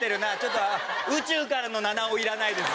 宇宙からの菜々緒いらないです。